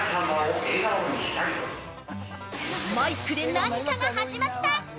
マイクで何かが始まった。